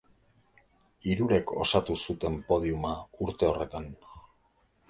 Hirurek osatu zuten podiuma urte horretan.